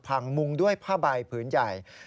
มุงด้วยผ้าใบผืนใหญ่